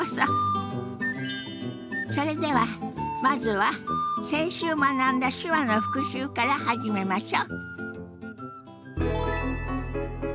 それではまずは先週学んだ手話の復習から始めましょ。